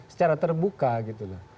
secara terbuka gitu